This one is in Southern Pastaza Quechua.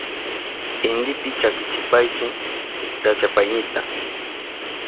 Intipi chakichipaychi llachapaynita.